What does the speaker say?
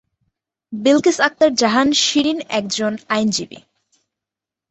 বিলকিস আক্তার জাহান শিরিন একজন আইনজীবী।